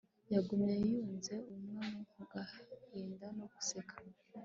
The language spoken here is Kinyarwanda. yagumye yunze ubumwe mu gahinda no guseka